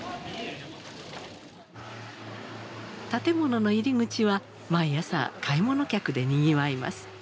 建物の入り口は毎朝買い物客でにぎわいます。